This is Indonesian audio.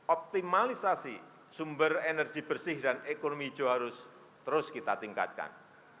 optimalisasi sumber energi bersih dan ekonomi hijau harus terus kita tingkatkan